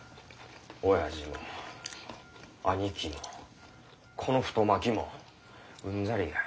おやじも兄貴もこの太巻きもうんざりや。